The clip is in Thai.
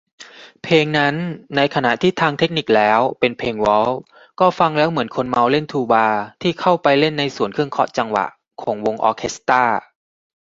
เพลงนั้น ในขณะที่ทางเทคนิคแล้วเป็นเพลงวอลทซ์ ก็ฟังแล้วเหมือนคนเมาเล่นทูบาที่เข้าไปเล่นในส่วนเครื่องเคาะจังหวะของวงออร์เคสตร้า